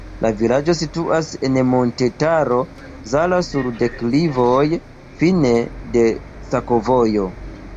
La vilaĝo situas en Montetaro Zala sur deklivoj, fine de sakovojo.